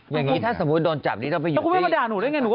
อย่างนี้ถ้าสมมุติโดนจับนี้เราคุ้มไปประดาษหนูหรือไง